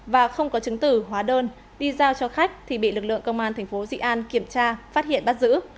và không có chứng tử hóa đơn đi giao cho khách thì bị lực lượng công an thành phố dị an kiểm tra phát hiện bắt giữ